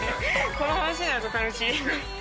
この話になると楽しい。